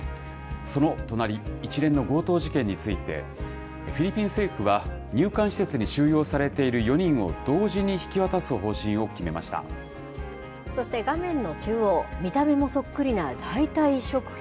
その隣、一連の強盗事件について、フィリピン政府は入管施設に収容されている４人を、そして画面の中央、見た目もそっくりな代替食品。